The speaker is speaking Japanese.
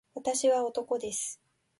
私は男です